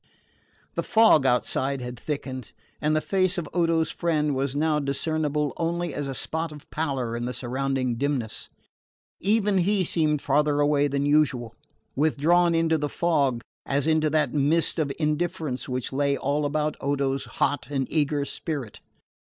The fog outside had thickened, and the face of Odo's friend was now discernible only as a spot of pallor in the surrounding dimness. Even he seemed farther away than usual, withdrawn into the fog as into that mist of indifference which lay all about Odo's hot and eager spirit.